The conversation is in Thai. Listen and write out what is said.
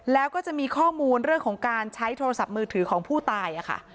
แล้วก็จะมีข้อมูลเรื่องของการใช้โทรศัพท์มือถือของผู้ตายค่ะ